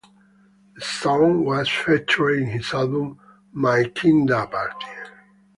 The song was featured on his album "My Kinda Party".